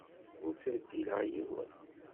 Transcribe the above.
Ur ttbeddileɣ yiwen.